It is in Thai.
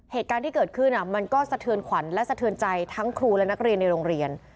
เหตุการณ์ที่เกิดขึ้นมันก็สะเทือนขวัญและสะเทือนใจทั้งครูและนักเรียนในโรงเรียน